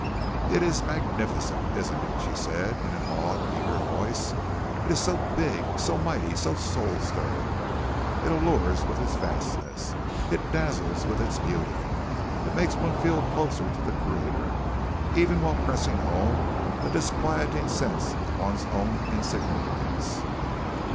It is magnificent, isn't it?" she said in an awed, eager voice. "It is so big, so mighty, so soul stirring. It allures with its vastness, it dazzles with its beauty; it makes one feel closer to the Creator, even while pressing home a disquieting sense of one's own insignificance.